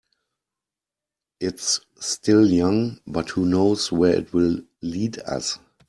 It's still young, but who knows where it will lead us.